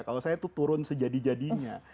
kalau saya itu turun sejadi jadinya